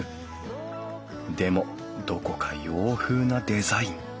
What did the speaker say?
でもどこか洋風なデザイン。